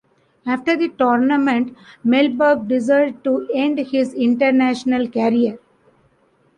After the tournament, Mellberg decided to end his international career.